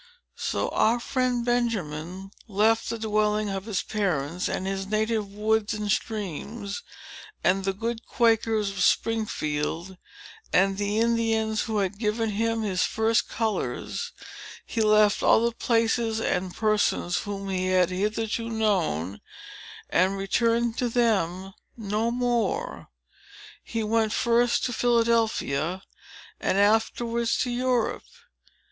So our friend Benjamin left the dwelling of his parents, and his native woods and streams, and the good Quakers of Springfield, and the Indians who had given him his first colors,—he left all the places and persons whom he had hitherto known,—and returned to them no more. He went first to Philadelphia, and afterwards to Europe.